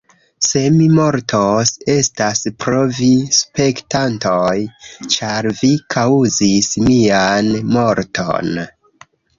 Se mi mortos, estas pro vi spektantoj, ĉar vi kaŭzis mian morton.